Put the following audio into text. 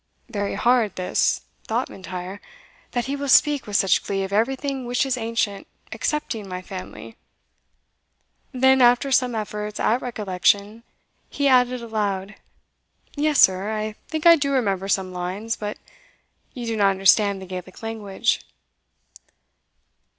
"Very hard this," thought M'Intyre, "that he will speak with such glee of everything which is ancient, excepting my family. " Then, after some efforts at recollection, he added aloud, "Yes, sir, I think I do remember some lines; but you do not understand the Gaelic language."